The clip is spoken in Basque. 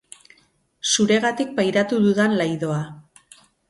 Zuregatik pairatu dudan laidoa.